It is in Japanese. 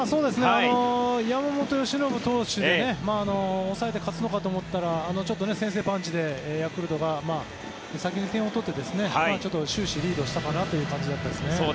山本由伸投手が抑えて勝つのかと思ったらちょっと先制パンチでヤクルトが先に点を取ってちょっと終始リードしたかなという感じでしたね。